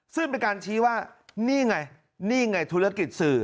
ซึ่งเป็นการชี้ว่านี่ไงนี่ไงธุรกิจสื่อ